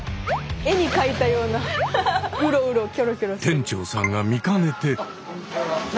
店長さんが見かねて。